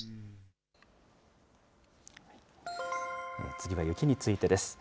次は雪についてです。